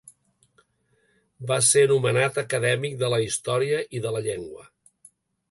Va ser nomenat acadèmic de la Història i de la Llengua.